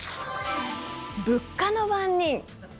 物価の番人。